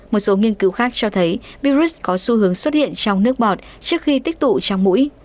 một số nghiên cứu khác cho thấy virus có xu hướng xuất hiện trong nước bọt trước khi tích tụ trong mũi